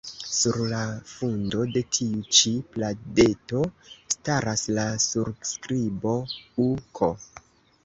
Sur la fundo de tiu ĉi pladeto staras la surskribo « U. K. »